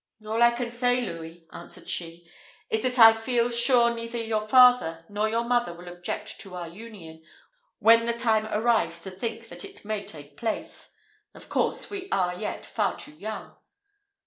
"All I can say, Louis," answered she, "is, that I feel sure neither your father nor your mother will object to our union, when the time arrives to think that it may take place of course we are yet far too young."